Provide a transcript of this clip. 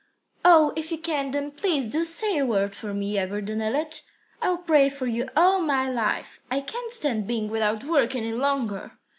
"Oh, if you can, then please do say a word for me, Yegor Danilych. I'll pray for you all my life. I can't stand being without work any longer."